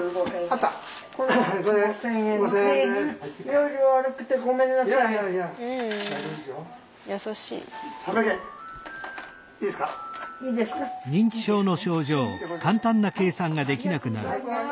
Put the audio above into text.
ありがとうございます。